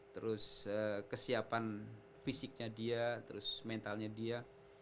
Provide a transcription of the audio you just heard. terus kesiapan fisiknya dia terus mentalnya dia